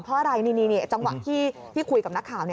เพราะอะไรนี่จังหวะที่คุยกับนักข่าว